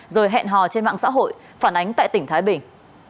rồi hẹn hò trên mạng xã hội phản ánh tại tỉnh thái bình